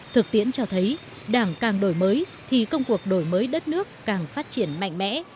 thực tiễn cho thấy đảng càng đổi mới thì công cuộc đổi mới đất nước càng phát triển mạnh mẽ